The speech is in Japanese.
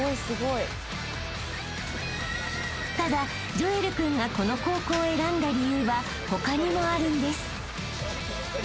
［ただジョエル君がこの高校を選んだ理由は他にもあるんです］